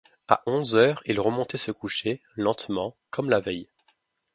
À onze heures, ils remontaient se coucher, lentement, comme la veille.